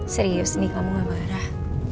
serius nih kamu gak marah